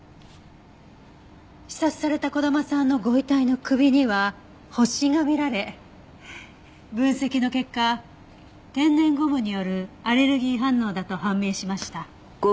刺殺された児玉さんのご遺体の首には発疹が見られ分析の結果天然ゴムによるアレルギー反応だと判明しました。